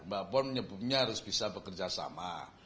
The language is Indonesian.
bahkan menyebutnya harus bisa bekerja sama